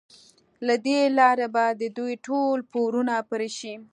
له دې لارې به د دوی ټول پورونه پرې شي.